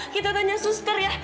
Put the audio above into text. kita tanya suster ya